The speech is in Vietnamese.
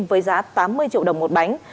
với giá tám mươi triệu đồng một bánh